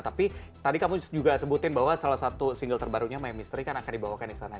tapi tadi kamu juga sebutin bahwa salah satu single terbarunya my mystery kan akan dibawakan disana